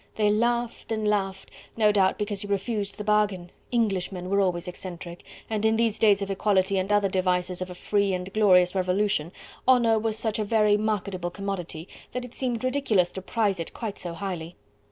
They laughed and laughed, no doubt because he refused the bargain Englishmen were always eccentric, and in these days of equality and other devices of a free and glorious revolution, honour was such a very marketable commodity that it seemed ridiculous to prize it quite so highly.